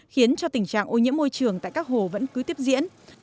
khiến cho tình trạng ô nhiễm môi trường tại các hồ vẫn cứ tiếp diễn